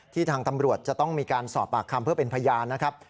ทางตำรวจจะต้องมีการสอบปากคำเพื่อเป็นพยานนะครับ